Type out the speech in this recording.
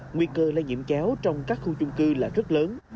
nguy cơ lây nhiễm chéo trong các khu chung cư là rất lớn